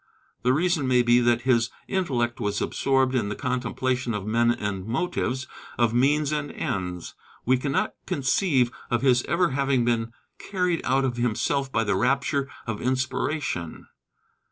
The reason may be that his intellect was absorbed in the contemplation of men and motives, of means and ends. We cannot conceive of his ever having been carried out of himself by the rapture of inspiration.